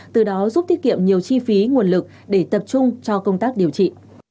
từ đó giúp tiết kiệm nhiều chi phí nguồn lực để tập trung cho công tác điều trị